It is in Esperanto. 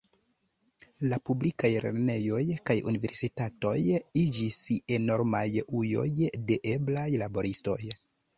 La publikaj lernejoj kaj universitatoj iĝis enormaj ujoj de eblaj laboristoj.